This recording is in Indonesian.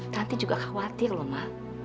nanti juga khawatir loh ma